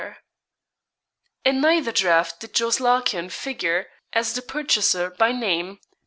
In neither draft did Jos. Larkin figure as the purchaser by name.